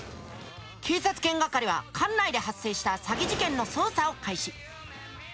警察犬係は管内で発生した詐欺事件の捜査を開始。